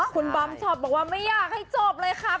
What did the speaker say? คุณบอมช็อปบอกว่าไม่อยากให้จบเลยครับ